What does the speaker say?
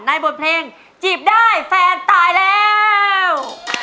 บทเพลงจีบได้แฟนตายแล้ว